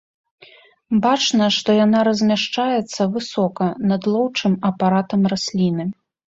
Бачна, што яна размяшчаецца высока над лоўчым апаратам расліны.